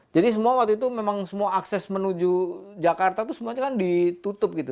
jadi semua waktu itu memang semua akses menuju jakarta itu semuanya kan ditutup gitu